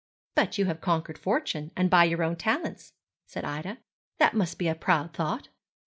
'But you have conquered fortune, and by your own talents,' said Ida. 'That must be a proud thought.'